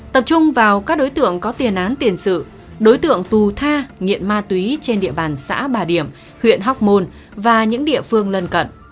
tập trung vào các đối tượng có tiền án tiền sự đối tượng tù tha nghiện ma túy trên địa bàn xã bà điểm huyện hóc môn và những địa phương lân cận